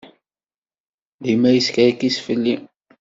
Dima yeskerkis fell-i.